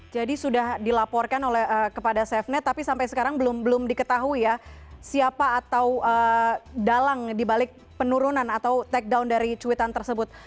jadi sudah dilaporkan kepada safenet tapi sampai sekarang belum diketahui ya siapa atau dalang dibalik penurunan atau take down dari cuitan tersebut